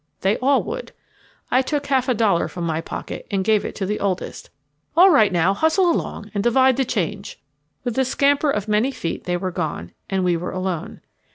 They all would. I took a half dollar from my pocket and gave it to the oldest. "All right now, hustle along, and divide the change." With the scamper of many feet they were gone, and we were alone.